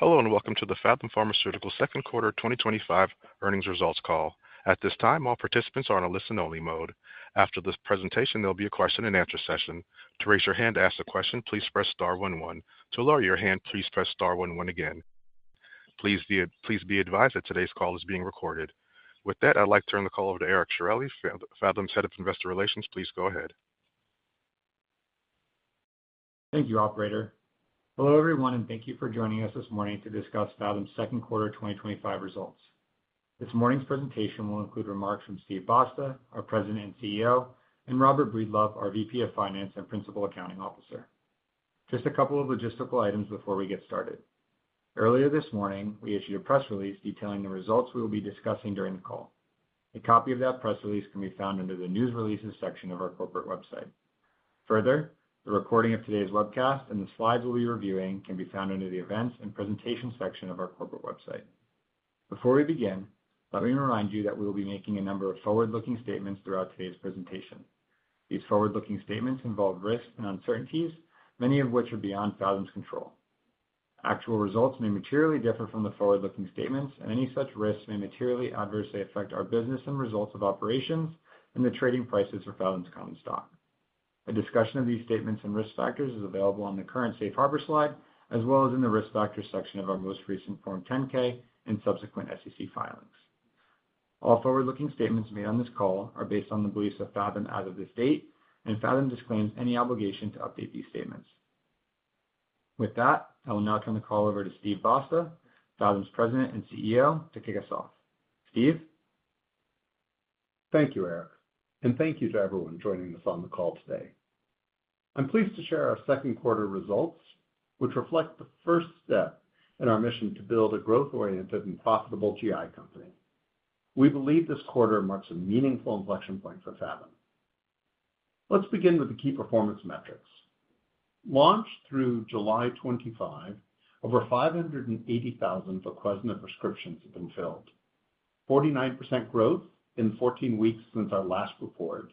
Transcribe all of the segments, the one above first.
Hello and welcome to the Phathom Pharmaceuticals Second Quarter 2025 Earnings Results Call. At this time, all participants are in a listen-only mode. After this presentation, there will be a question-and-answer session. To raise your hand to ask a question, please press star one. To lower your hand, please press star one again. Please be advised that today's call is being recorded. With that, I'd like to turn the call over to Eric Sciorilli, Phathom's Head of Investor Relations. Please go ahead. Thank you, operator. Hello everyone, and thank you for joining us this morning to discuss Phathom's second quarter 2025 results. This morning's presentation will include remarks from Steve Basta, our President and CEO, and Robert Breedlove, our VP of Finance and Principal Accounting Officer. Just a couple of logistical items before we get started. Earlier this morning, we issued a press release detailing the results we will be discussing during the call. A copy of that press release can be found under the News Releases section of our corporate website. Further, the recording of today's webcast and the slides we'll be reviewing can be found under the Events and Presentations section of our corporate website. Before we begin, let me remind you that we will be making a number of forward-looking statements throughout today's presentation. These forward-looking statements involve risks and uncertainties, many of which are beyond Phathom's control. Actual results may materially differ from the forward-looking statements, and any such risks may materially adversely affect our business and results of operations and the trading prices for Phathom's common stock. A discussion of these statements and risk factors is available on the current Safe Harbor slide, as well as in the Risk Factors section of our most recent Form 10-K and subsequent SEC filings. All forward-looking statements made on this call are based on the beliefs of Phathom as of this date, and Phathom disclaims any obligation to update these statements. With that, I will now turn the call over to Steve Basta, Phathom's President and CEO, to kick us off. Steve. Thank you, Eric, and thank you to everyone joining us on the call today. I'm pleased to share our second quarter results, which reflect the first step in our mission to build a growth-oriented and profitable GI company. We believe this quarter marks a meaningful inflection point for Phathom. Let's begin with the key performance metrics. Launched through July 25, over 580,000 VOQUEZNA prescriptions have been filled, 49% growth in 14 weeks since I last reported.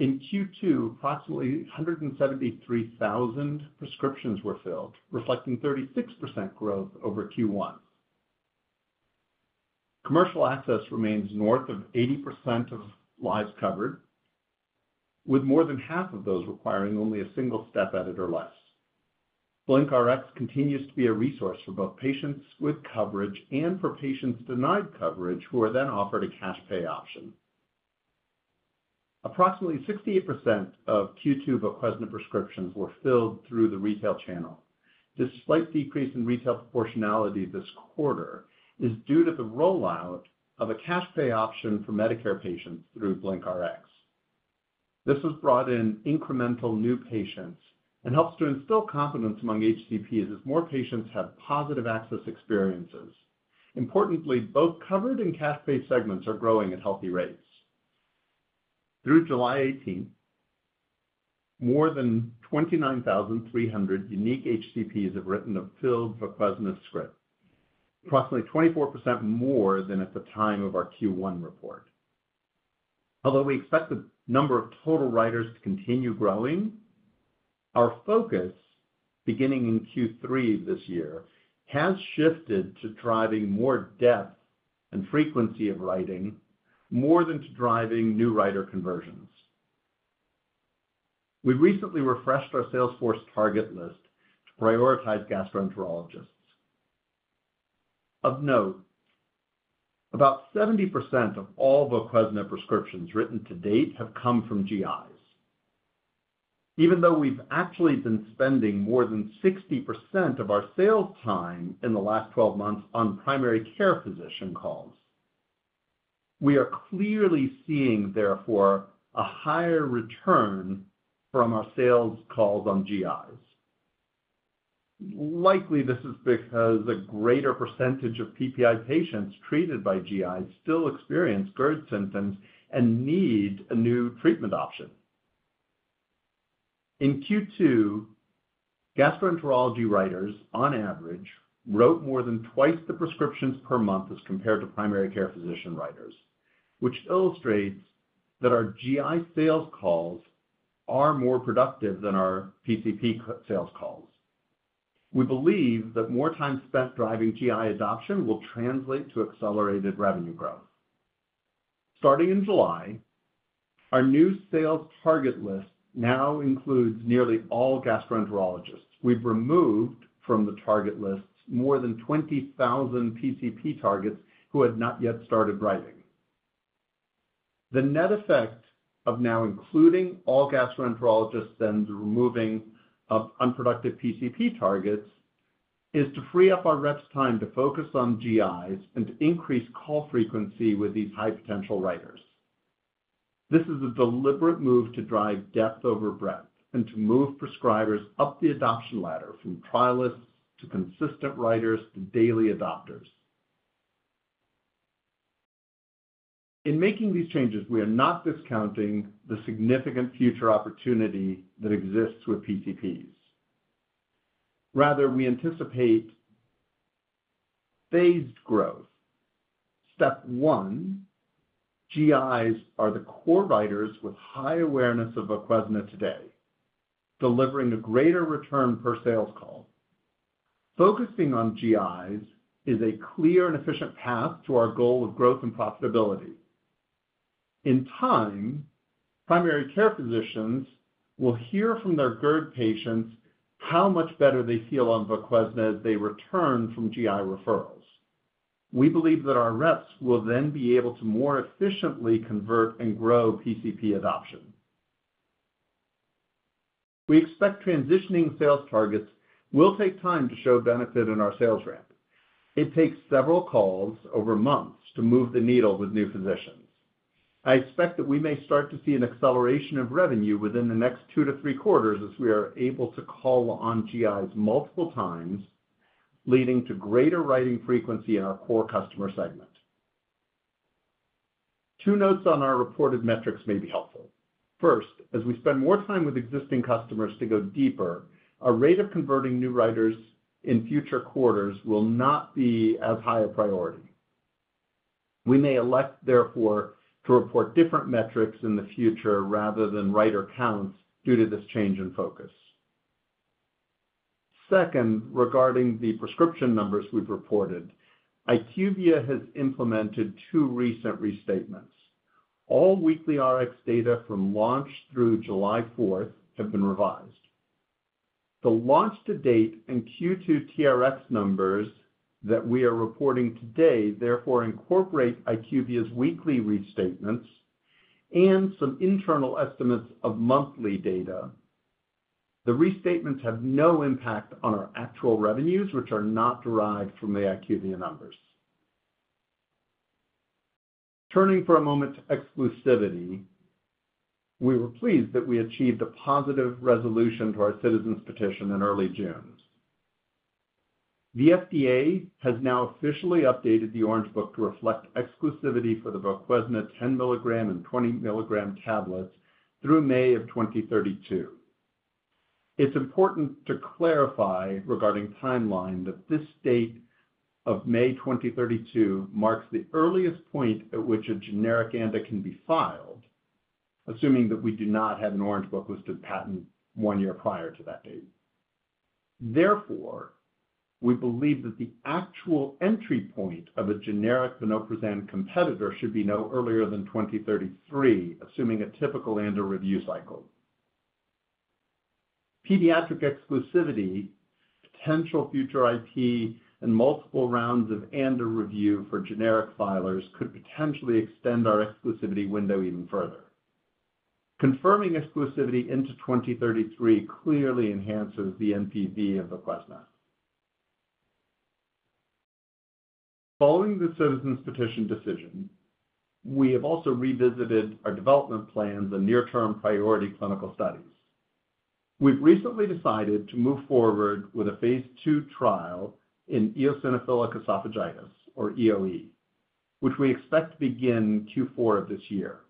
In Q2, approximately 173,000 prescriptions were filled, reflecting 36% growth over Q1. Commercial access remains north of 80% of lives covered, with more than half of those requiring only a single step edit or less. BlinkRx continues to be a resource for both patients with coverage and for patients denied coverage who are then offered a cash pay option. Approximately 68% of Q2 VOQUEZNA prescriptions were filled through the retail channel. Despite the decrease in retail proportionality this quarter, it is due to the rollout of a cash pay option for Medicare patients through BlinkRx. This has brought in incremental new patients and helps to instill confidence among HCPs as more patients have positive access experiences. Importantly, both covered and cash pay segments are growing at healthy rates. Through July 18, more than 29,300 unique HCPs have written a filled VOQUEZNA script, approximately 24% more than at the time of our Q1 report. Although we expect the number of total writers to continue growing, our focus, beginning in Q3 of this year, has shifted to driving more depth and frequency of writing, more than to driving new writer conversions. We recently refreshed our salesforce target list, prioritized gastroenterologists. Of note, about 70% of all VOQUEZNA prescriptions written to date have come from GIs. Even though we've actually been spending more than 60% of our sales time in the last 12 months on primary care physician calls, we are clearly seeing, therefore, a higher return from our sales calls on GIs. Likely, this is because a greater percentage of PPI patients treated by GI still experience GERD symptoms and need a new treatment option. In Q2, gastroenterology writers, on average, wrote more than twice the prescriptions per month as compared to primary care physician writers, which illustrates that our GI sales calls are more productive than our PCP sales calls. We believe that more time spent driving GI adoption will translate to accelerated revenue growth. Starting in July, our new sales target list now includes nearly all gastroenterologists. We've removed from the target lists more than 20,000 PCP targets who had not yet started writing. The net effect of now including all gastroenterologists and removing unproductive PCP targets is to free up our reps' time to focus on GIs and to increase call frequency with these high-potential writers. This is a deliberate move to drive depth over breadth and to move prescribers up the adoption ladder from trialists to consistent writers to daily adopters. In making these changes, we are not discounting the significant future opportunity that exists with PCPs. Rather, we anticipate phased growth. Step one, GIs are the core writers with high awareness of VOQUEZNA for today, delivering a greater return per sales call. Focusing on GIs is a clear and efficient path to our goal of growth and profitability. In time, primary care physicians will hear from their GERD patients how much better they feel on VOQUEZNA as they return from GI referrals. We believe that our reps will then be able to more efficiently convert and grow PCP adoption. We expect transitioning sales targets will take time to show benefit in our sales rep. It takes several calls over months to move the needle with new physicians. I expect that we may start to see an acceleration of revenue within the next two to three quarters as we are able to call on GIs multiple times, leading to greater writing frequency in our core customer segment. Two notes on our reported metrics may be helpful. First, as we spend more time with existing customers to go deeper, our rate of converting new writers in future quarters will not be as high a priority. We may elect, therefore, to report different metrics in the future rather than writer counts due to this change in focus. Second, regarding the prescription numbers we've reported, IQVIA has implemented two recent restatements. All weekly Rx data from launch through July 4 have been revised. The launch-to-date and Q2 TRX numbers that we are reporting today, therefore, incorporate IQVIA's weekly restatements and some internal estimates of monthly data. The restatements have no impact on our actual revenues, which are not derived from the IQVIA numbers. Turning for a moment to exclusivity, we were pleased that we achieved a positive resolution to our Citizens' Petition in early June. The FDA has now officially updated the Orange Book to reflect exclusivity for the request for 10 mg and 20 mg tablets through May of 2032. It's important to clarify regarding timeline that this date of May 2032 marks the earliest point at which a generic ANDA can be filed, assuming that we do not have an Orange Book listed patent one year prior to that date. Therefore, we believe that the actual entry point of a generic vonoprazan competitor should be no earlier than 2033, assuming a typical ANDA review cycle. Pediatric exclusivity, potential future IP, and multiple rounds of ANDA review for generic filers could potentially extend our exclusivity window even further. Confirming exclusivity into 2033 clearly enhances the NPV of VOQUEZNA. Following the Citizens' Petition decision, we have also revisited our development plans and near-term priority clinical studies. We've recently decided to move forward with a phase II trial in eosinophilic esophagitis, or EoE, which we expect to begin Q4 of this year.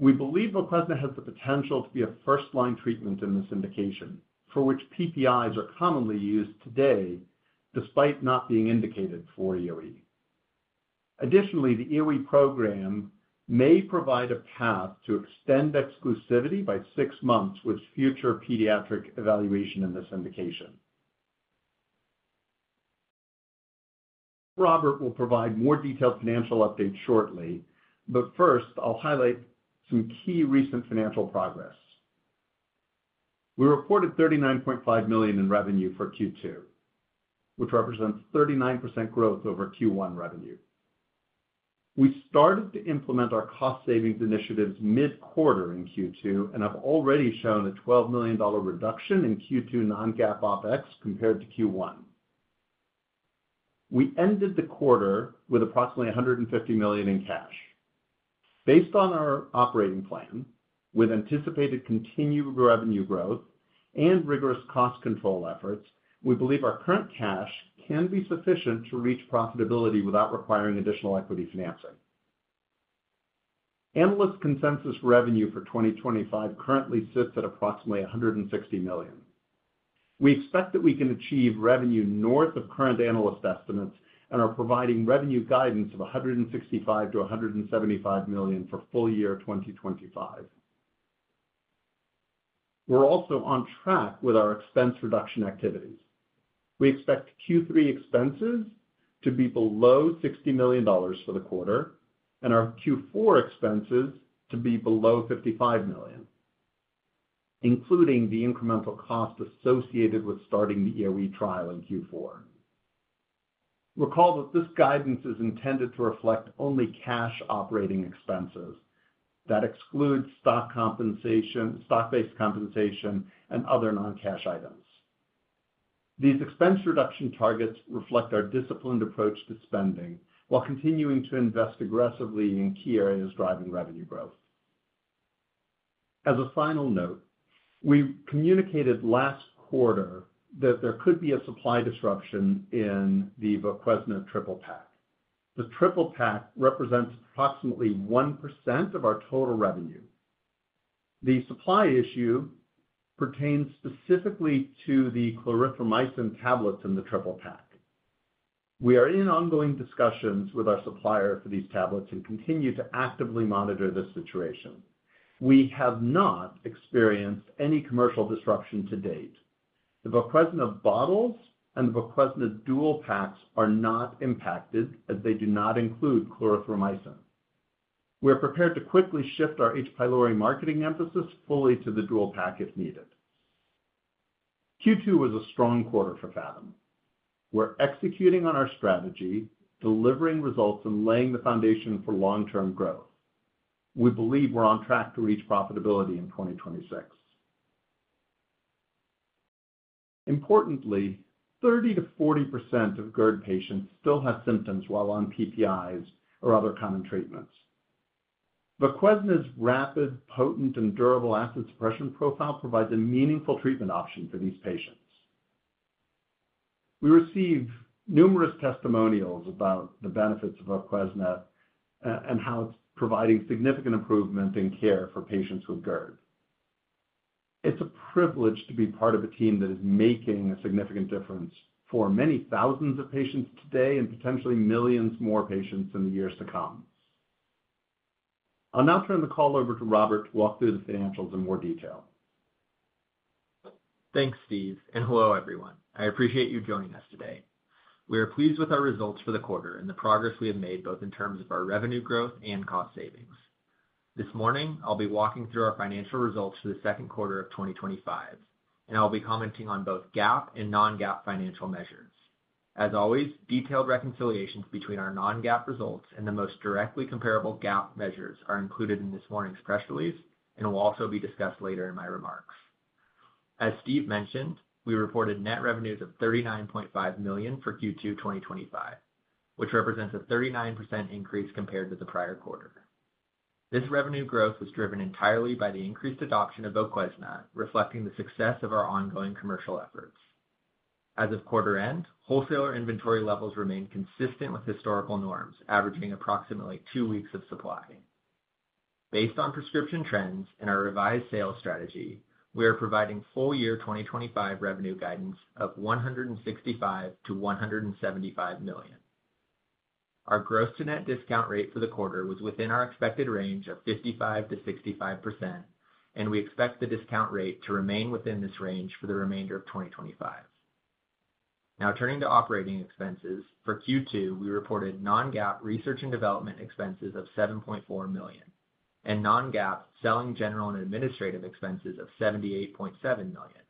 We believe VOQUEZNA has the potential to be a first-line treatment in this indication for which PPIs are commonly used today, despite not being indicated for EoE. Additionally, the EoE program may provide a path to extend exclusivity by six months with future pediatric evaluation in this indication. Robert will provide more detailed financial updates shortly, but first, I'll highlight some key recent financial progress. We reported $39.5 million in revenue for Q2, which represents 39% growth over Q1 revenue. We started to implement our cost-savings initiatives mid-quarter in Q2 and have already shown a $12 million reduction in Q2 non-GAAP OpEx compared to Q1. We ended the quarter with approximately $150 million in cash. Based on our operating plan, with anticipated continued revenue growth and rigorous cost control efforts, we believe our current cash can be sufficient to reach profitability without requiring additional equity financing. Analyst consensus revenue for 2025 currently sits at approximately $160 million. We expect that we can achieve revenue north of current analyst estimates and are providing revenue guidance of $165 million-$175 million for full year 2025. We're also on track with our expense reduction activities. We expect Q3 expenses to be below $60 million for the quarter and our Q4 expenses to be below $55 million, including the incremental cost associated with starting the EoE trial in Q4. Recall that this guidance is intended to reflect only cash operating expenses. That excludes stock-based compensation and other non-cash items. These expense reduction targets reflect our disciplined approach to spending while continuing to invest aggressively in key areas driving revenue growth. As a final note, we communicated last quarter that there could be a supply disruption in the VOQUEZNA TRIPLE PAK. The TRIPLE PAK represents approximately 1% of our total revenue. The supply issue pertains specifically to the clarithromycin tablets in the TRIPLE PAK. We are in ongoing discussions with our supplier for these tablets and continue to actively monitor this situation. We have not experienced any commercial disruption to date. The VOQUEZNA bottles and the VOQUEZNA DUAL PAK are not impacted as they do not include clarithromycin. We're prepared to quickly shift our H. pylori marketing emphasis fully to the DUAL PAK if needed. Q2 was a strong quarter for Phathom. We're executing on our strategy, delivering results, and laying the foundation for long-term growth. We believe we're on track to reach profitability in 2026. Importantly, 30%-40% of GERD patients still have symptoms while on PPIs or other common treatments. VOQUEZNA's rapid, potent, and durable acid suppression profile provides a meaningful treatment option for these patients. We receive numerous testimonials about the benefits of VOQUEZNA and how it's providing significant improvement in care for patients with GERD. It's a privilege to be part of a team that is making a significant difference for many thousands of patients today and potentially millions more patients in the years to come. I'll now turn the call over to Robert to walk through the financials in more detail. Thanks, Steve, and hello everyone. I appreciate you joining us today. We are pleased with our results for the quarter and the progress we have made both in terms of our revenue growth and cost savings. This morning, I'll be walking through our financial results for the second quarter of 2025, and I'll be commenting on both GAAP and non-GAAP financial measures. As always, detailed reconciliations between our non-GAAP results and the most directly comparable GAAP measures are included in this morning's press release and will also be discussed later in my remarks. As Steve mentioned, we reported net revenues of $39.5 million for Q2 2025, which represents a 39% increase compared to the prior quarter. This revenue growth was driven entirely by the increased adoption of VOQUEZNA, reflecting the success of our ongoing commercial efforts. As of quarter end, wholesaler inventory levels remain consistent with historical norms, averaging approximately two weeks of supply. Based on prescription trends and our revised sales strategy, we are providing full year 2025 revenue guidance of $165 million-$175 million. Our gross-to-net discount rate for the quarter was within our expected range of 55%-65%, and we expect the discount rate to remain within this range for the remainder of 2025. Now, turning to operating expenses, for Q2, we reported non-GAAP research and development expenses of $7.4 million and non-GAAP selling, general and administrative expenses of $78.7 million.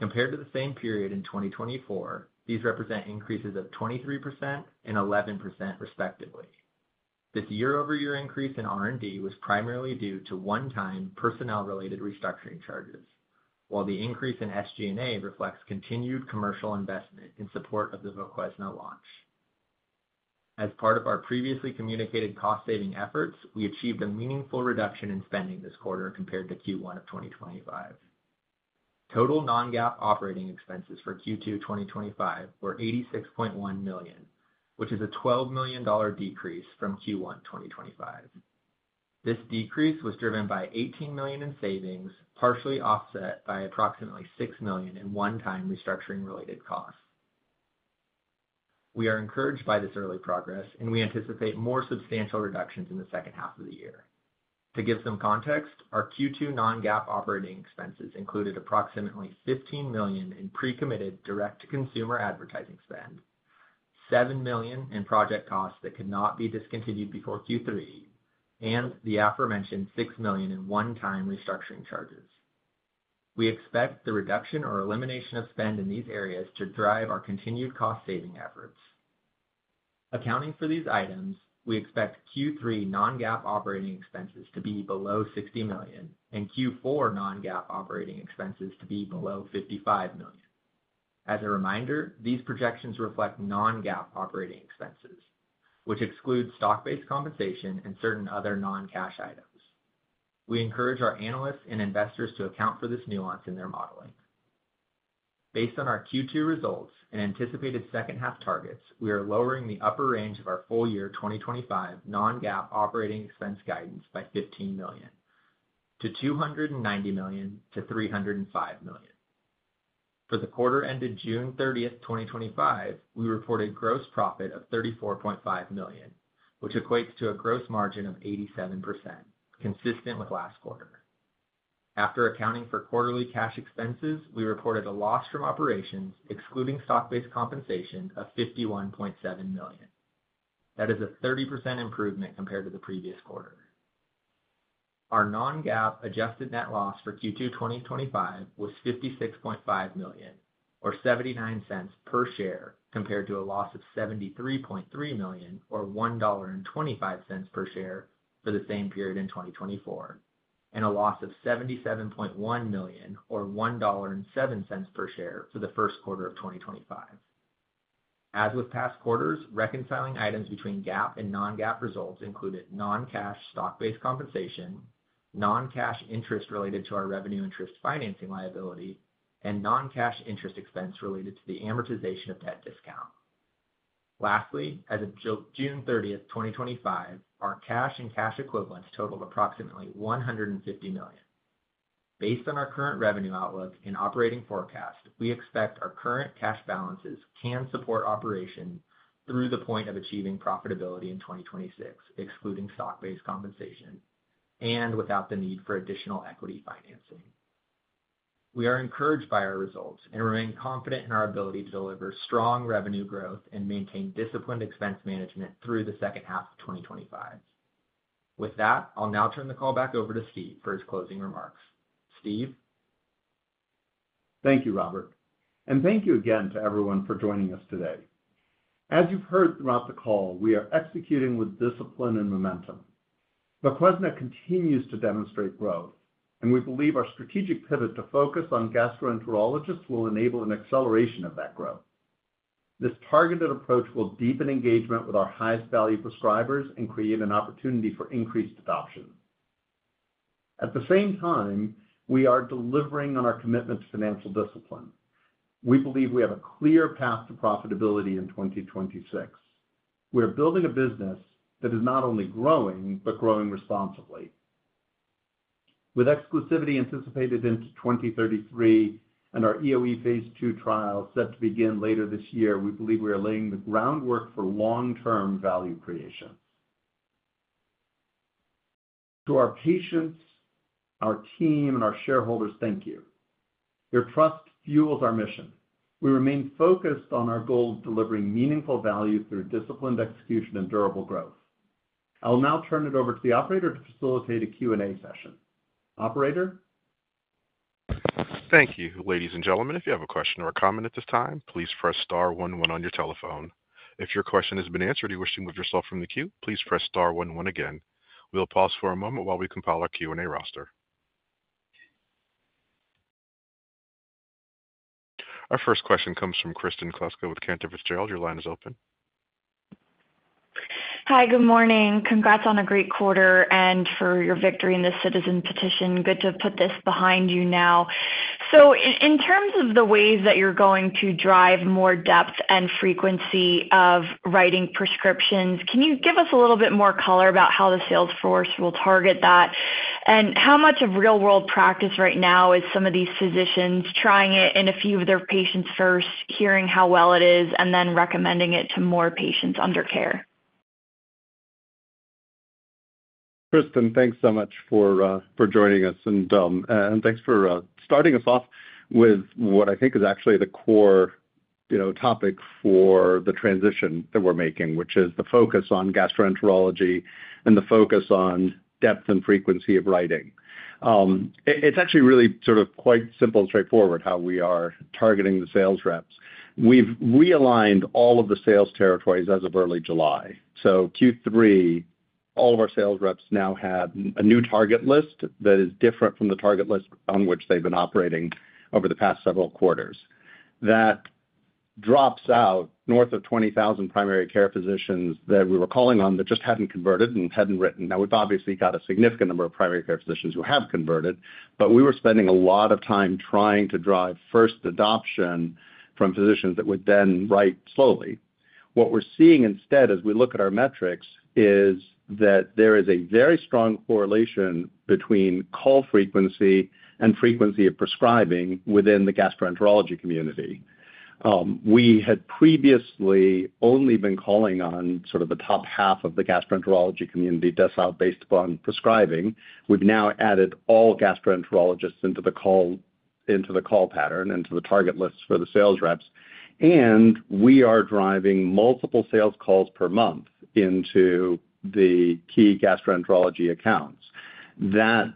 Compared to the same period in 2024, these represent increases of 23% and 11% respectively. This year-over-year increase in R&D was primarily due to one-time personnel-related restructuring charges, while the increase in SG&A reflects continued commercial investment in support of the VOQUEZNA launch. As part of our previously communicated cost-saving efforts, we achieved a meaningful reduction in spending this quarter compared to Q1 of 2025. Total non-GAAP operating expenses for Q2 2025 were $86.1 million, which is a $12 million decrease from Q1 2025. This decrease was driven by $18 million in savings, partially offset by approximately $6 million in one-time restructuring-related costs. We are encouraged by this early progress, and we anticipate more substantial reductions in the second half of the year. To give some context, our Q2 non-GAAP operating expenses included approximately $15 million in pre-committed direct-to-consumer advertising spend, $7 million in project costs that could not be discontinued before Q3, and the aforementioned $6 million in one-time restructuring charges. We expect the reduction or elimination of spend in these areas to drive our continued cost-saving efforts. Accounting for these items, we expect Q3 non-GAAP operating expenses to be below $60 million and Q4 non-GAAP operating expenses to be below $55 million. As a reminder, these projections reflect non-GAAP operating expenses, which exclude stock-based compensation and certain other non-cash items. We encourage our analysts and investors to account for this nuance in their modeling. Based on our Q2 results and anticipated second-half targets, we are lowering the upper range of our full year 2025 non-GAAP operating expense guidance by $15 million to $290 million to $305 million. For the quarter ended June 30th, 2025, we reported gross profit of $34.5 million, which equates to a gross margin of 87%, consistent with last quarter. After accounting for quarterly cash expenses, we reported a loss from operations, excluding stock-based compensation, of $51.7 million. That is a 30% improvement compared to the previous quarter. Our non-GAAP adjusted net loss for Q2 2025 was $56.5 million or $0.79 per share, compared to a loss of $73.3 million or $1.25 per share for the same period in 2024, and a loss of $77.1 million or $1.07 per share for the first quarter of 2025. As with past quarters, reconciling items between GAAP and non-GAAP results included non-cash stock-based compensation, non-cash interest related to our revenue interest financing liability, and non-cash interest expense related to the amortization of debt discount. Lastly, as of June 30th, 2025, our cash and cash equivalents totaled approximately $150 million. Based on our current revenue outlook and operating forecast, we expect our current cash balances can support operation through the point of achieving profitability in 2026, excluding stock-based compensation and without the need for additional equity financing. We are encouraged by our results and remain confident in our ability to deliver strong revenue growth and maintain disciplined expense management through the second half of 2025. With that, I'll now turn the call back over to Steve for his closing remarks. Steve. Thank you, Robert, and thank you again to everyone for joining us today. As you've heard throughout the call, we are executing with discipline and momentum. VOQUEZNA continues to demonstrate growth, and we believe our strategic pivot to focus on gastroenterologists will enable an acceleration of that growth. This targeted approach will deepen engagement with our highest value prescribers and create an opportunity for increased adoption. At the same time, we are delivering on our commitment to financial discipline. We believe we have a clear path to profitability in 2026. We are building a business that is not only growing but growing responsibly. With exclusivity anticipated into 2033 and our EoE phase II trial set to begin later this year, we believe we are laying the groundwork for long-term value creation. To our patients, our team, and our shareholders, thank you. Your trust fuels our mission. We remain focused on our goal of delivering meaningful value through disciplined execution and durable growth. I'll now turn it over to the operator to facilitate a Q&A session. Operator? Thank you. Ladies and gentlemen, if you have a question or a comment at this time, please press star one one on your telephone. If your question has been answered and you wish to remove yourself from the queue, please press star one one again. We'll pause for a moment while we compile our Q&A roster. Our first question comes from Kristen Kluska with Cantor Fitzgerald. Your line is open. Hi, good morning. Congrats on a great quarter and for your victory in the Citizens' Petition. Good to put this behind you now. In terms of the ways that you're going to drive more depth and frequency of writing prescriptions, can you give us a little bit more color about how the sales force will target that and how much of real-world practice right now is some of these physicians trying it in a few of their patients first, hearing how well it is, and then recommending it to more patients under care? Kristen, thanks so much for joining us and thanks for starting us off with what I think is actually the core topic for the transition that we're making, which is the focus on gastroenterology and the focus on depth and frequency of writing. It's actually really quite simple and straightforward how we are targeting the sales reps. We've realigned all of the sales territories as of early July. In Q3, all of our sales reps now have a new target list that is different from the target list on which they've been operating over the past several quarters. That drops out north of 20,000 primary care physicians that we were calling on that just hadn't converted and hadn't written. Now, we've obviously got a significant number of primary care physicians who have converted, but we were spending a lot of time trying to drive first adoption from physicians that would then write slowly. What we're seeing instead, as we look at our metrics, is that there is a very strong correlation between call frequency and frequency of prescribing within the gastroenterology community. We had previously only been calling on the top half of the gastroenterology community based upon prescribing. We've now added all gastroenterologists into the call pattern, into the target list for the sales reps, and we are driving multiple sales calls per month into the key gastroenterology accounts. That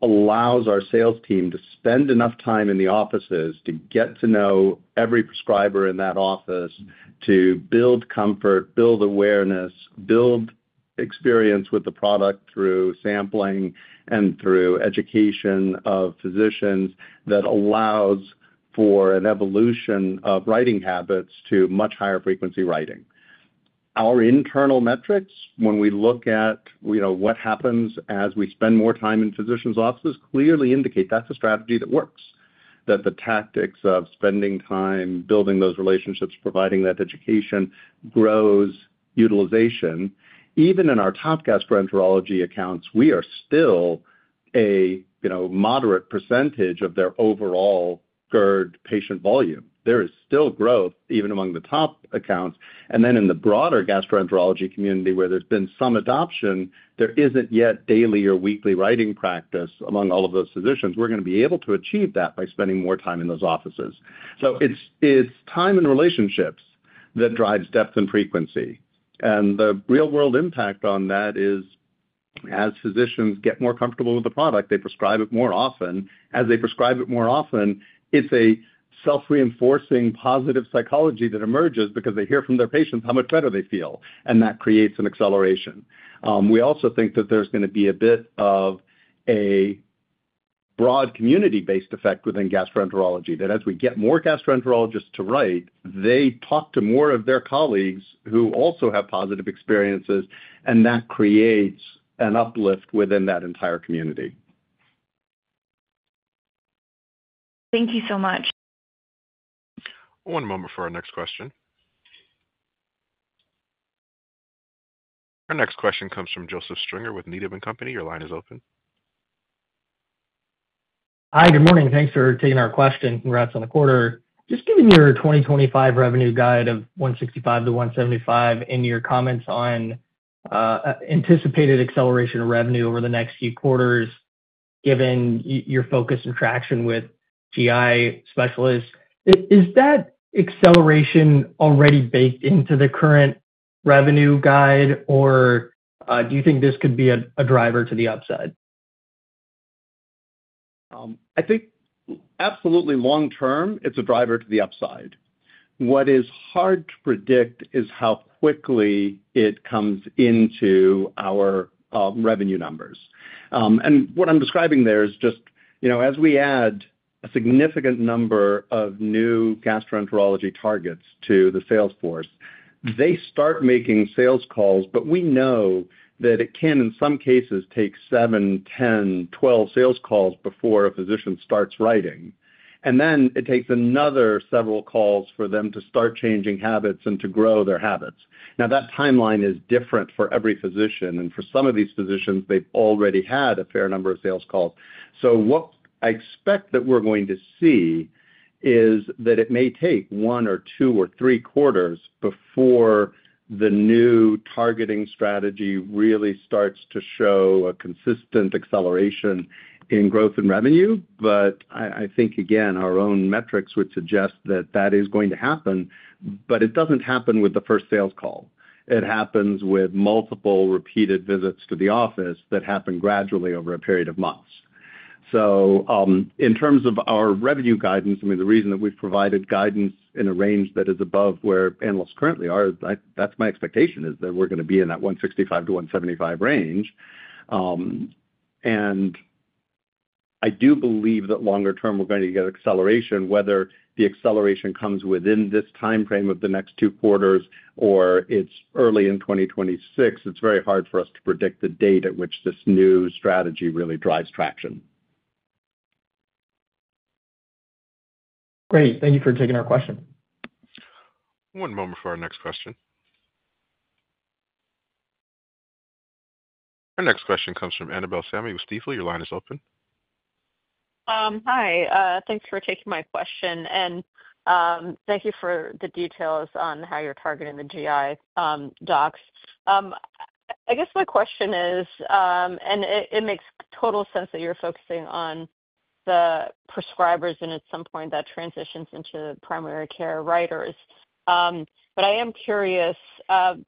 allows our sales team to spend enough time in the offices to get to know every prescriber in that office, to build comfort, build awareness, build experience with the product through sampling and through education of physicians that allows for an evolution of writing habits to much higher frequency writing. Our internal metrics, when we look at what happens as we spend more time in physicians' offices, clearly indicate that's a strategy that works. The tactics of spending time building those relationships, providing that education grows utilization. Even in our top gastroenterology accounts, we are still a moderate percentage of their overall GERD patient volume. There is still growth even among the top accounts. In the broader gastroenterology community where there's been some adoption, there isn't yet daily or weekly writing practice among all of those physicians. We're going to be able to achieve that by spending more time in those offices. It's time and relationships that drive depth and frequency. The real-world impact on that is as physicians get more comfortable with the product, they prescribe it more often. As they prescribe it more often, it's a self-reinforcing positive psychology that emerges because they hear from their patients how much better they feel, and that creates an acceleration. We also think that there's going to be a bit of a broad community-based effect within gastroenterology that as we get more gastroenterologists to write, they talk to more of their colleagues who also have positive experiences, and that creates an uplift within that entire community. Thank you so much. One moment for our next question. Our next question comes from Joseph Stringer with Needham & Company. Your line is open. Hi, good morning. Thanks for taking our request and congrats on the quarter. Just given your 2025 revenue guide of $165 million-$175 million and your comments on anticipated acceleration of revenue over the next few quarters, given your focus and traction with GI specialists, is that acceleration already baked into the current revenue guide, or do you think this could be a driver to the upside? I think absolutely long-term, it's a driver to the upside. What is hard to predict is how quickly it comes into our revenue numbers. What I'm describing there is just, you know, as we add a significant number of new gastroenterology targets to the sales force, they start making sales calls, but we know that it can in some cases take seven, 10, 12 sales calls before a physician starts writing. It takes another several calls for them to start changing habits and to grow their habits. That timeline is different for every physician, and for some of these physicians, they've already had a fair number of sales calls. I expect that we're going to see that it may take one or two or three quarters before the new targeting strategy really starts to show a consistent acceleration in growth and revenue. I think, again, our own metrics would suggest that that is going to happen, but it doesn't happen with the first sales call. It happens with multiple repeated visits to the office that happen gradually over a period of months. In terms of our revenue guidance, the reason that we've provided guidance in a range that is above where analysts currently are, that's my expectation is that we're going to be in that $165 million-$175 million range. I do believe that longer term, we're going to get acceleration. Whether the acceleration comes within this timeframe of the next two quarters or it's early in 2026, it's very hard for us to predict the date at which this new strategy really drives traction. Great. Thank you for taking our question. One moment for our next question. Our next question comes from Annabel Samimy with Stifel. Your line is open. Hi, thanks for taking my question and thank you for the details on how you're targeting the GI docs. I guess my question is, and it makes total sense that you're focusing on the prescribers and at some point that transitions into primary care writers. I am curious, the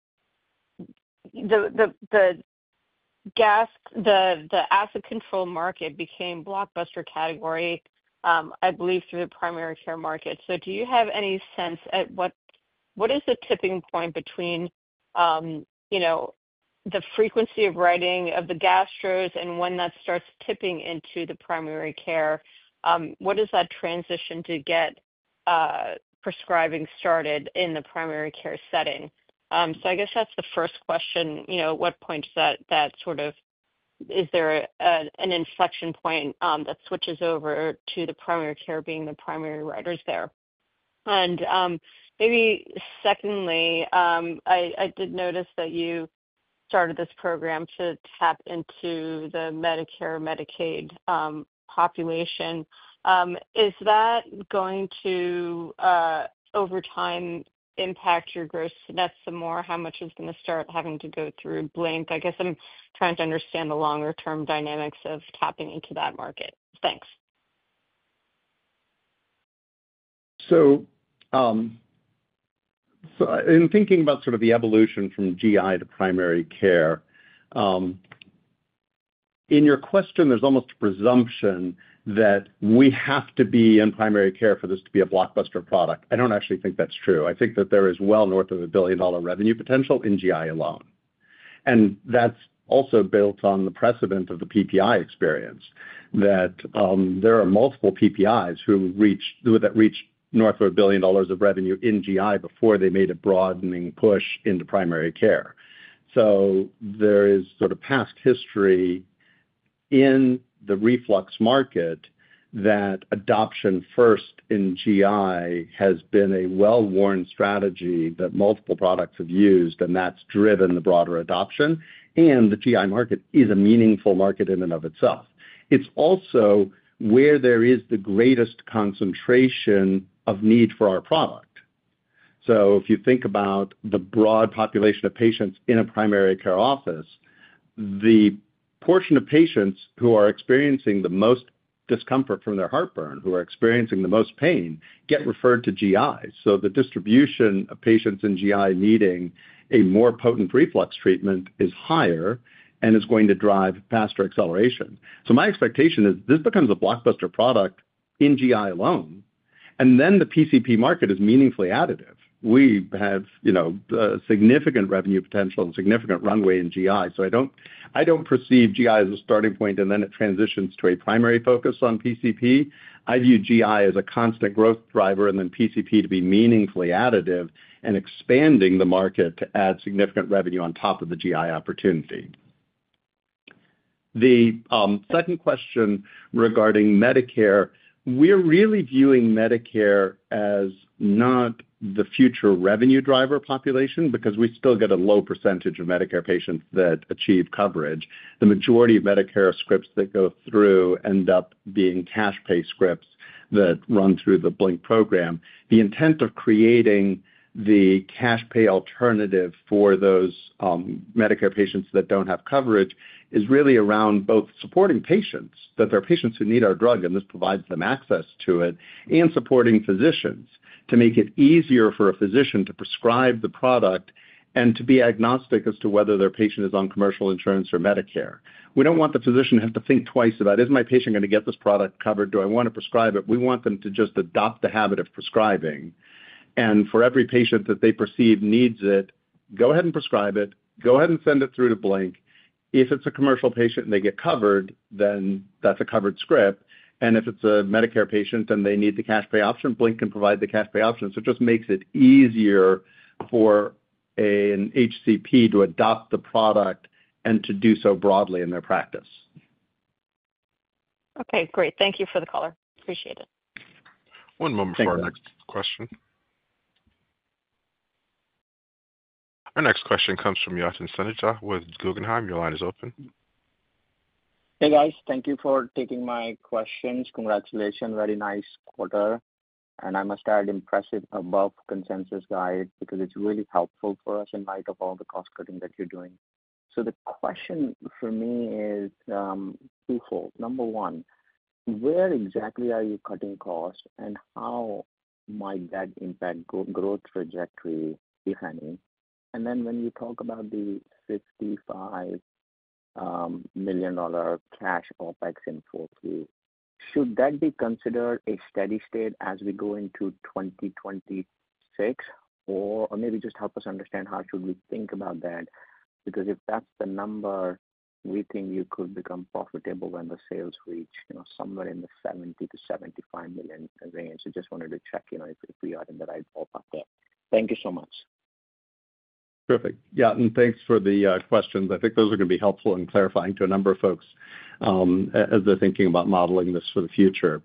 acid control market became a blockbuster category, I believe, through the primary care market. Do you have any sense at what is the tipping point between, you know, the frequency of writing of the gastros and when that starts tipping into the primary care? What is that transition to get prescribing started in the primary care setting? I guess that's the first question. At what point is that sort of, is there an inflection point that switches over to the primary care being the primary writers there? Maybe secondly, I did notice that you started this program to tap into the Medicare and Medicaid population. Is that going to, over time, impact your gross nets some more? How much is going to start having to go through Blink? I guess I'm trying to understand the longer-term dynamics of tapping into that market. Thanks. In thinking about the evolution from GI to primary care, in your question, there's almost a presumption that we have to be in primary care for this to be a blockbuster product. I don't actually think that's true. I think that there is well north of a $1 billion revenue potential in GI alone. That's also built on the precedent of the PPI experience, that there are multiple PPIs who reach north of billion dollars of revenue in GI before they made a broadening push into primary care. There is past history in the reflux market that adoption first in GI has been a well-worn strategy that multiple products have used, and that's driven the broader adoption. The GI market is a meaningful market in and of itself. It's also where there is the greatest concentration of need for our product. If you think about the broad population of patients in a primary care office, the portion of patients who are experiencing the most discomfort from their heartburn, who are experiencing the most pain, get referred to GI. The distribution of patients in GI needing a more potent reflux treatment is higher and is going to drive faster acceleration. My expectation is this becomes a blockbuster product in GI alone. The PCP market is meaningfully additive. We have significant revenue potential and significant runway in GI. I don't perceive GI as a starting point and then it transitions to a primary focus on PCP. I view GI as a constant growth driver and PCP to be meaningfully additive and expanding the market to add significant revenue on top of the GI opportunity. The second question regarding Medicare, we're really viewing Medicare as not the future revenue driver population because we still get a low percentage of Medicare patients that achieve coverage. The majority of Medicare scripts that go through end up being cash pay scripts that run through the Blink program. The intent of creating the cash pay alternative for those Medicare patients that don't have coverage is really around both supporting patients, that there are patients who need our drug and this provides them access to it, and supporting physicians to make it easier for a physician to prescribe the product and to be agnostic as to whether their patient is on commercial insurance or Medicare. We don't want the physician to have to think twice about, is my patient going to get this product covered? Do I want to prescribe it? We want them to just adopt the habit of prescribing. For every patient that they perceive needs it, go ahead and prescribe it. Go ahead and send it through to Blink. If it's a commercial patient and they get covered, that's a covered script. If it's a Medicare patient and they need the cash pay option, Blink can provide the cash pay option. It just makes it easier for an HCP to adopt the product and to do so broadly in their practice. Okay, great. Thank you for the call. Appreciate it. One moment for our next question. Our next question comes from Yatin Suneja with Guggenheim. Your line is open. Hey guys, thank you for taking my questions. Congratulations, very nice quarter. I must add, impressive above consensus guide because it's really helpful for us in light of all the cost cutting that you're doing. The question for me is twofold. Number one, where exactly are you cutting costs and how might that impact growth trajectory, if any? When you talk about the $55 million cash OpEx in 4Q, should that be considered a steady state as we go into 2026? Maybe just help us understand how should we think about that? If that's the number, we think you could become profitable when the sales reach, you know, somewhere in the $70 million-$75 million range. I just wanted to check, you know, if we are in the right ballpark there. Thank you so much. Perfect. Yeah, thanks for the questions. I think those are going to be helpful in clarifying to a number of folks as they're thinking about modeling this for the future.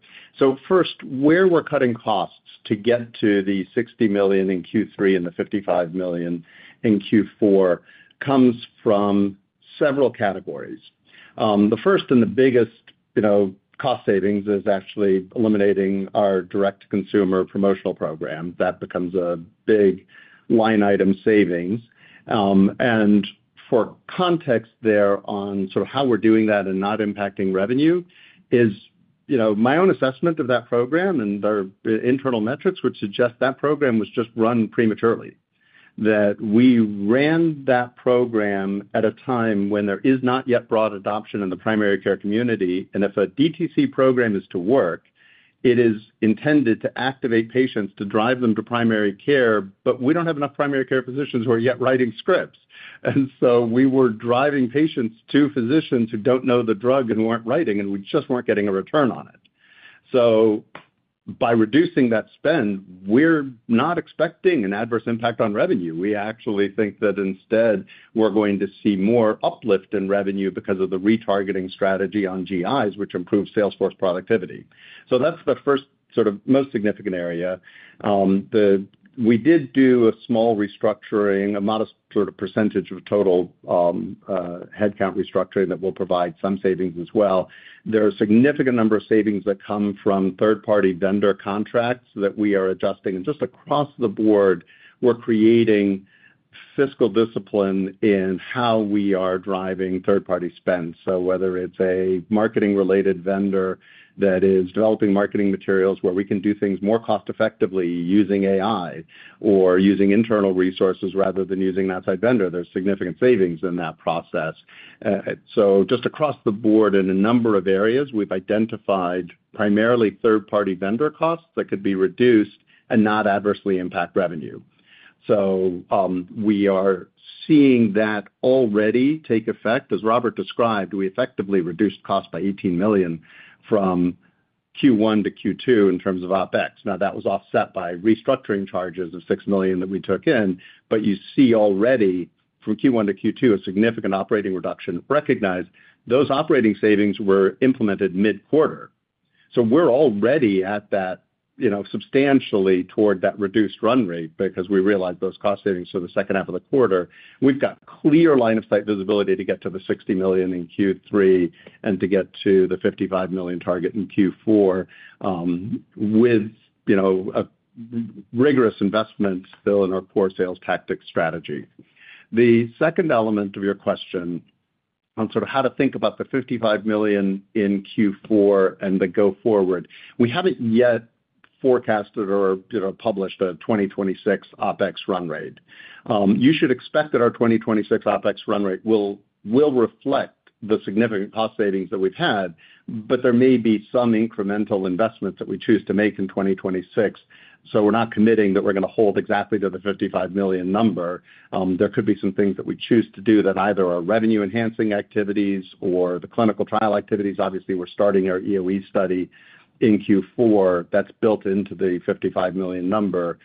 First, where we're cutting costs to get to the $60 million in Q3 and the $55 million in Q4 comes from several categories. The first and the biggest cost savings is actually eliminating our direct-to-consumer promotional program. That becomes a big line-item savings. For context there on how we're doing that and not impacting revenue, my own assessment of that program and our internal metrics would suggest that program was just run prematurely. We ran that program at a time when there is not yet broad adoption in the primary care community. If a DTC program is to work, it is intended to activate patients to drive them to primary care, but we don't have enough primary care physicians who are yet writing scripts. We were driving patients to physicians who don't know the drug and weren't writing, and we just weren't getting a return on it. By reducing that spend, we're not expecting an adverse impact on revenue. We actually think that instead we're going to see more uplift in revenue because of the retargeting strategy on GIs, which improves salesforce productivity. That's the first most significant area. We did do a small restructuring, a modest percentage of total headcount restructuring that will provide some savings as well. There are a significant number of savings that come from third-party vendor contracts that we are adjusting. Across the board, we're creating fiscal discipline in how we are driving third-party spend. Whether it's a marketing-related vendor that is developing marketing materials where we can do things more cost-effectively using AI or using internal resources rather than using an outside vendor, there's significant savings in that process. Across the board in a number of areas, we've identified primarily third-party vendor costs that could be reduced and not adversely impact revenue. We are seeing that already take effect. As Robert described, we effectively reduced costs by $18 million from Q1 to Q2 in terms of OpEx. That was offset by restructuring charges of $6 million that we took in. You see already from Q1 to Q2 a significant operating reduction recognized. Those operating savings were implemented mid-quarter. We're already at that, you know, substantially toward that reduced run rate because we realized those cost savings for the second half of the quarter. We've got clear line-of-sight visibility to get to the $60 million in Q3 and to get to the $55 million target in Q4 with, you know, a rigorous investment still in our core sales tactic strategy. The second element of your question on sort of how to think about the $55 million in Q4 and the go-forward, we haven't yet forecasted or published a 2026 OpEx run rate. You should expect that our 2026 OpEx run rate will reflect the significant cost savings that we've had, but there may be some incremental investments that we choose to make in 2026. We're not committing that we're going to hold exactly to the $55 million number. There could be some things that we choose to do that either are revenue-enhancing activities or the clinical trial activities. Obviously, we're starting our EoE study in Q4 that's built into the $55 million number,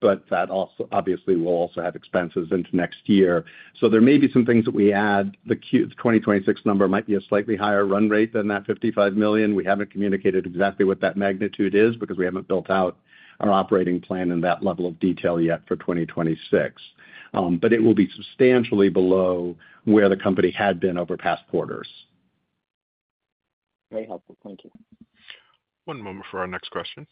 but that obviously will also have expenses into next year. There may be some things that we add. The 2026 number might be a slightly higher run rate than that $55 million. We haven't communicated exactly what that magnitude is because we haven't built out our operating plan in that level of detail yet for 2026. It will be substantially below where the company had been over past quarters. Very helpful. Thank you. One moment for our next question.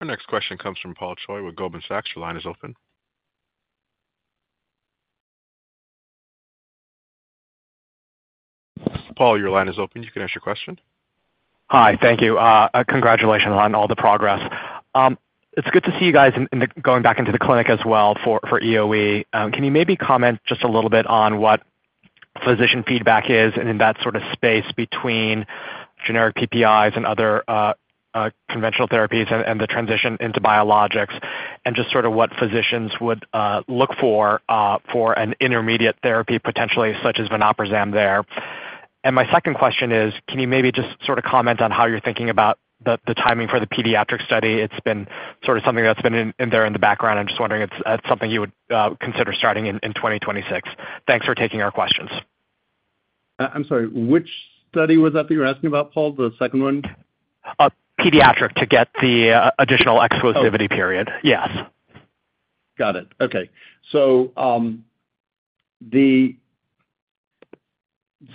Our next question comes from Paul Choi with Goldman Sachs. Your line is open. Paul, your line is open. You can ask your question. Hi, thank you. Congratulations on all the progress. It's good to see you guys going back into the clinic as well for EoE. Can you maybe comment just a little bit on what physician feedback is in that sort of space between generic PPIs and other conventional therapies and the transition into biologics, and just sort of what physicians would look for for an intermediate therapy potentially such as vonoprazan there? My second question is, can you maybe just sort of comment on how you're thinking about the timing for the pediatric study? It's been sort of something that's been in there in the background. I'm just wondering if that's something you would consider starting in 2026. Thanks for taking our questions. I'm sorry, which study was that you're asking about, Paul? The second one? Pediatric to get the additional exclusivity period. Yes. Got it. Okay.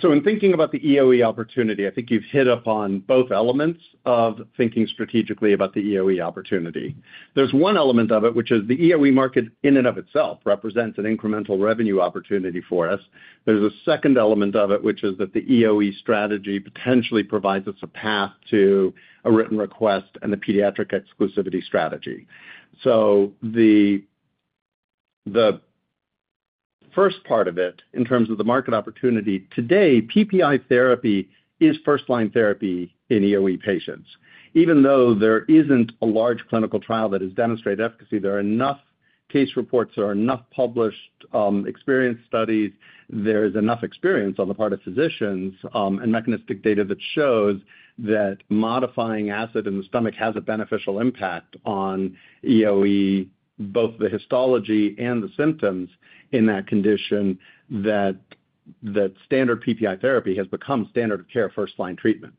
In thinking about the EoE opportunity, I think you've hit upon both elements of thinking strategically about the EoE opportunity. There's one element of it, which is the EoE market in and of itself represents an incremental revenue opportunity for us. There's a second element of it, which is that the EoE strategy potentially provides us a path to a written request and the pediatric exclusivity strategy. The first part of it in terms of the market opportunity today, PPI therapy is first-line therapy in EoE patients. Even though there isn't a large clinical trial that has demonstrated efficacy, there are enough case reports, there are enough published experience studies, there is enough experience on the part of physicians and mechanistic data that shows that modifying acid in the stomach has a beneficial impact on EoE, both the histology and the symptoms in that condition, that standard PPI therapy has become standard of care first-line treatment.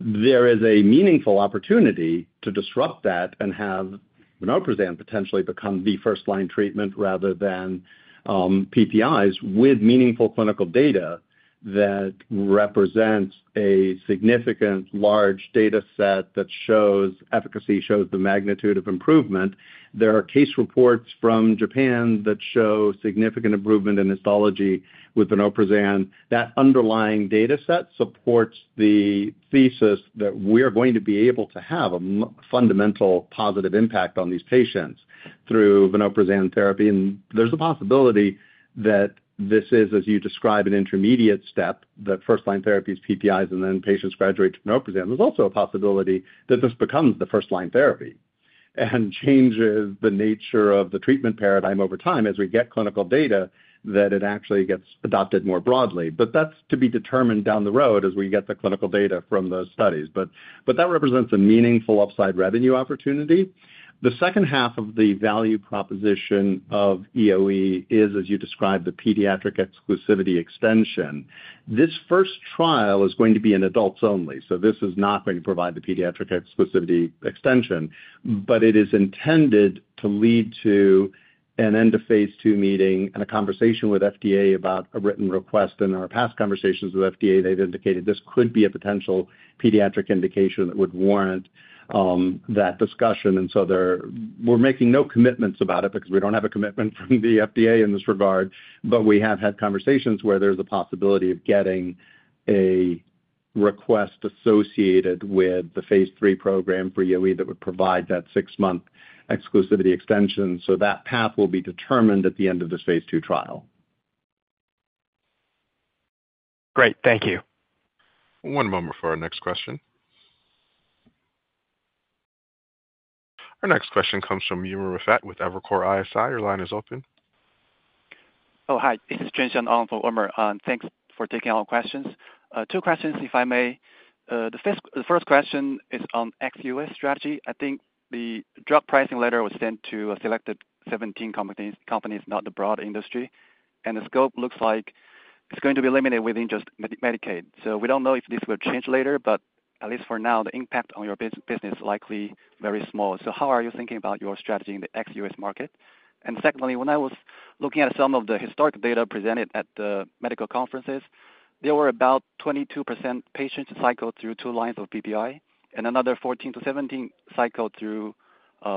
There is a meaningful opportunity to disrupt that and have vonoprazan potentially become the first-line treatment rather than PPIs with meaningful clinical data that represents a significant large data set that shows efficacy, shows the magnitude of improvement. There are case reports from Japan that show significant improvement in histology with vonoprazan. That underlying data set supports the thesis that we are going to be able to have a fundamental positive impact on these patients through vonoprazan therapy. There's a possibility that this is, as you describe, an intermediate step that first-line therapies, PPIs, and then patients graduate to vonoprazan. There's also a possibility that this becomes the first-line therapy and changes the nature of the treatment paradigm over time as we get clinical data that it actually gets adopted more broadly. That is to be determined down the road as we get the clinical data from those studies. That represents a meaningful upside revenue opportunity. The second half of the value proposition of EoE is, as you describe, the pediatric exclusivity extension. This first trial is going to be in adults only. This is not going to provide the pediatric exclusivity extension, but it is intended to lead to an end of phase II meeting and a conversation with FDA about a written request. In our past conversations with FDA, they've indicated this could be a potential pediatric indication that would warrant that discussion. We're making no commitments about it because we don't have a commitment from the FDA in this regard, but we have had conversations where there's a possibility of getting a request associated with the phase III program for EoE that would provide that six-month exclusivity extension. That path will be determined at the end of this phase II trial. Great. Thank you. One moment for our next question. Our next question comes from Umer Raffat with Evercore ISI. Your line is open. Oh, hi. This is Jyhhaw on for Umer. Thanks for taking all questions. Two questions, if I may. The first question is on ex-U.S. strategy. I think the drug pricing letter was sent to a selected 17 companies, not the broad industry. The scope looks like it's going to be limited within just Medicaid. We don't know if this will change later, but at least for now, the impact on your business is likely very small. How are you thinking about your strategy in the ex-U.S. market? Secondly, when I was looking at some of the historical data presented at the medical conferences, there were about 22% patients cycled through two lines of PPI and another 14%-17% cycled through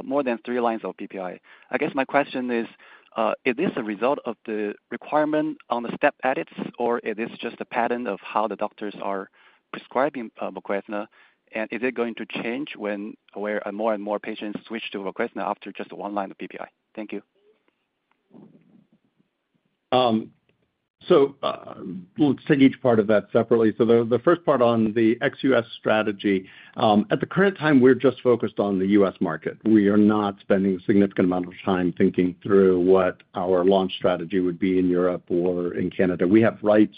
more than three lines of PPI. I guess my question is, is this a result of the requirement on the step edits, or is this just a pattern of how the doctors are prescribing VOQUEZNA? Is it going to change when more and more patients switch to VOQUEZNA after just one line of PPI? Thank you. We'll take each part of that separately. The first part on the ex-U.S. strategy, at the current time, we're just focused on the U.S. market. We are not spending a significant amount of time thinking through what our launch strategy would be in Europe or in Canada. We have rights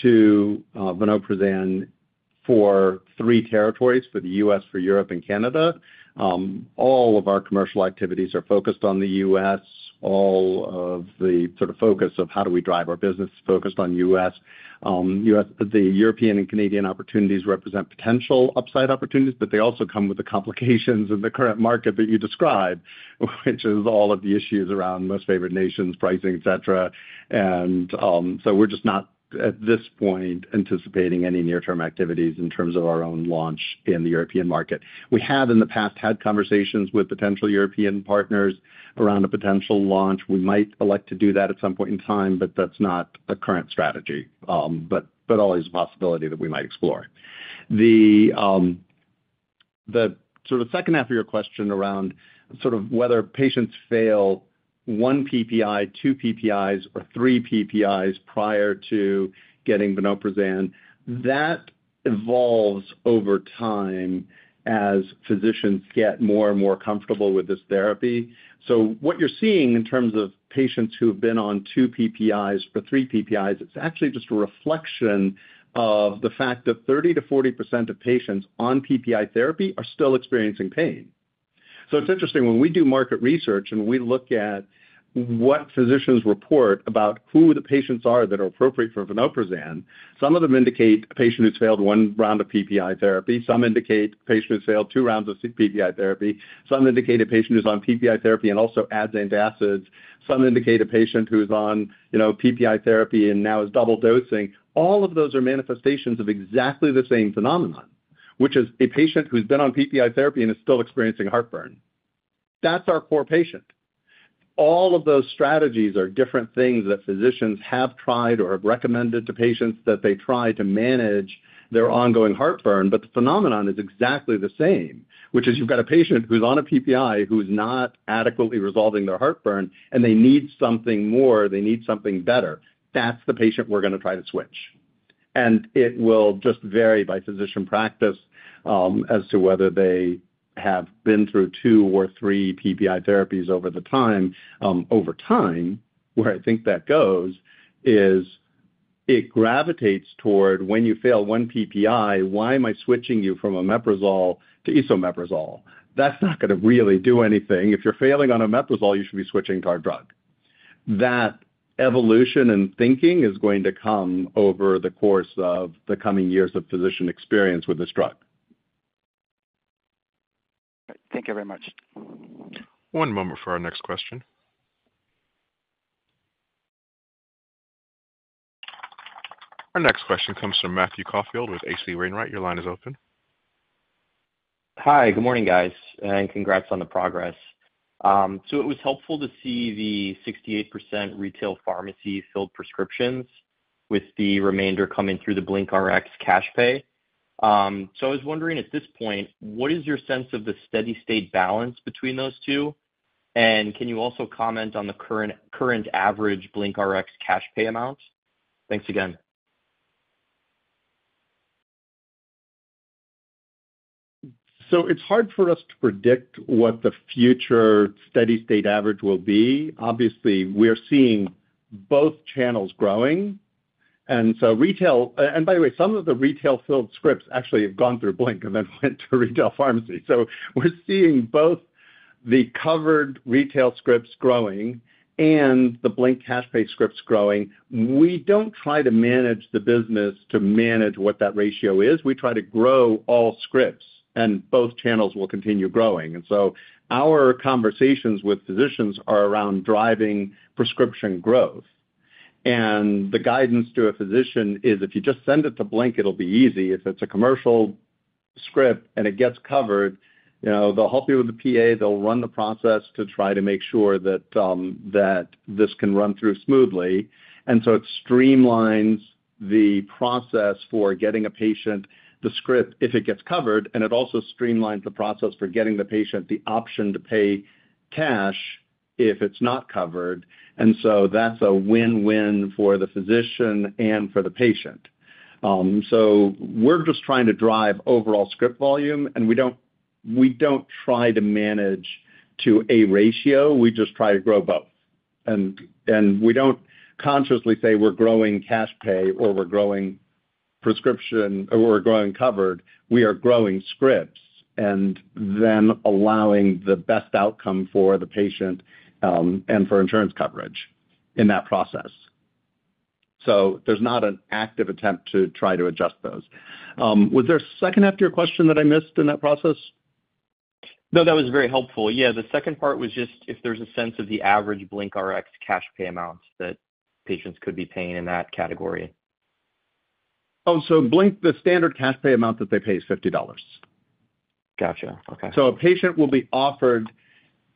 to vonoprazan for three territories, for the U.S., for Europe, and Canada. All of our commercial activities are focused on the U.S. All of the sort of focus of how do we drive our business is focused on the U.S. The European and Canadian opportunities represent potential upside opportunities, but they also come with the complications in the current market that you describe, which is all of the issues around most favored nations, pricing, etc. We're just not at this point anticipating any near-term activities in terms of our own launch in the European market. We have in the past had conversations with potential European partners around a potential launch. We might elect to do that at some point in time, but that's not a current strategy, but always a possibility that we might explore. The second half of your question around whether patients fail one PPI, two PPIs, or three PPIs prior to getting vonoprazan, that evolves over time as physicians get more and more comfortable with this therapy. What you're seeing in terms of patients who have been on two PPIs or three PPIs, it's actually just a reflection of the fact that 30%-40% of patients on PPI therapy are still experiencing pain. It's interesting when we do market research and we look at what physicians report about who the patients are that are appropriate for vonoprazan. Some of them indicate a patient who's failed one round of PPI therapy. Some indicate a patient who's failed two rounds of PPI therapy. Some indicate a patient who's on PPI therapy and also adds antacids. Some indicate a patient who's on PPI therapy and now is double dosing. All of those are manifestations of exactly the same phenomenon, which is a patient who's been on PPI therapy and is still experiencing heartburn. That's our core patient. All of those strategies are different things that physicians have tried or have recommended to patients that they try to manage their ongoing heartburn. The phenomenon is exactly the same, which is you've got a patient who's on a PPI who's not adequately resolving their heartburn and they need something more, they need something better. That's the patient we're going to try to switch. It will just vary by physician practice as to whether they have been through two or three PPI therapies over time. Where I think that goes is it gravitates toward when you fail one PPI, why am I switching you from omeprazole to esomeprazole? That's not going to really do anything. If you're failing on omeprazole, you should be switching to our drug. That evolution in thinking is going to come over the course of the coming years of physician experience with this drug. Thank you very much. One moment for our next question. Our next question comes from Matthew Caulfield with H.C. Wainwright. Your line is open. Hi, good morning guys, and congrats on the progress. It was helpful to see the 68% retail pharmacy filled prescriptions with the remainder coming through the BlinkRx cash pay. I was wondering at this point, what is your sense of the steady-state balance between those two? Can you also comment on the current average BlinkRx cash pay amount? Thanks again. It is hard for us to predict what the future steady-state average will be. Obviously, we are seeing both channels growing. By the way, some of the retail-filled scripts actually have gone through Blink and then went to retail pharmacy. We are seeing both the covered retail scripts growing and the Blink cash pay scripts growing. We do not try to manage the business to manage what that ratio is. We try to grow all scripts and both channels will continue growing. Our conversations with physicians are around driving prescription growth. The guidance to a physician is if you just send it to Blink, it will be easy. If it is a commercial script and it gets covered, they will help you with the PA, they will run the process to try to make sure that this can run through smoothly. It streamlines the process for getting a patient the script if it gets covered. It also streamlines the process for getting the patient the option to pay cash if it is not covered. That is a win-win for the physician and for the patient. We are just trying to drive overall script volume and we do not try to manage to a ratio. We just try to grow both. We do not consciously say we are growing cash pay or we are growing prescription or we are growing covered. We are growing scripts and then allowing the best outcome for the patient and for insurance coverage in that process. There is not an active attempt to try to adjust those. Was there a second after your question that I missed in that process? No, that was very helpful. The second part was just if there's a sense of the average BlinkRx cash pay amount that patients could be paying in that category. Blink, the standard cash pay amount that they pay is $50. Gotcha. Okay. A patient will be offered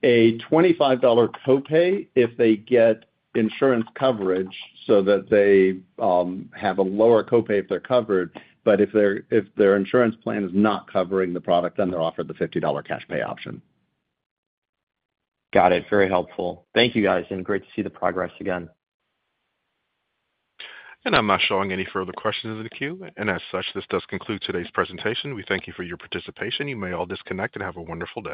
a $25 co-pay if they get insurance coverage so that they have a lower co-pay if they're covered. If their insurance plan is not covering the product, they're offered the $50 cash pay option. Got it. Very helpful. Thank you guys, and great to see the progress again. I'm not showing any further questions in the queue. As such, this does conclude today's presentation. We thank you for your participation. You may all disconnect and have a wonderful day.